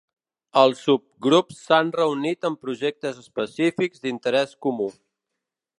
Els subgrups s'han reunit en projectes específics d'interès comú.